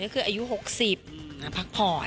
หัวพรัน